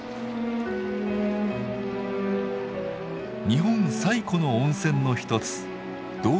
日本最古の温泉の一つ道後温泉。